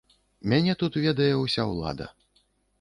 Мяне тут ведае ўся ўлада!